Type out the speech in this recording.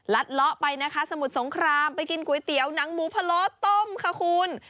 เลาะไปนะคะสมุทรสงครามไปกินก๋วยเตี๋ยวหนังหมูพะโล้ต้มค่ะคุณ